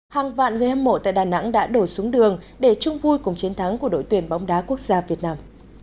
hàng vạn người hâm mộ tại đà nẵng đã đổ xuống đường để chung vui cùng chiến thắng của đội tuyển bóng đá quốc gia việt nam